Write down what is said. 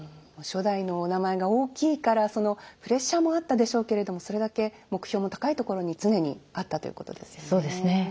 初代のお名前が大きいからそのプレッシャーもあったでしょうけれどもそれだけ目標も高い所に常にあったということですよね。